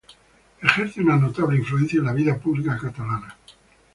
Ejerce una notable influencia en la vida pública catalana.